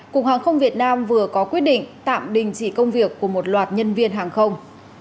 cục hàng không việt nam vừa có quyết định tạm đình chỉ công việc của một loạt nhân viên hàng không